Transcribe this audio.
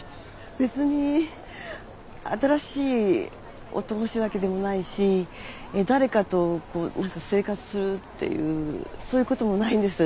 別に新しい夫欲しいわけでもないし誰かと生活するっていうそういうこともないんです。